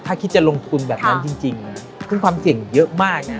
ถ้าคิดจะลงทุนแบบนั้นจริงขึ้นความเสี่ยงเยอะมากนะ